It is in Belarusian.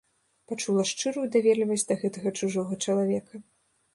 Пачула шчырую даверлівасць да гэтага чужога чалавека.